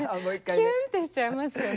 キュンってしちゃいますよね。